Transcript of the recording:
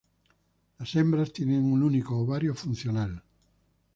Las hembras tienen un único ovario funcional.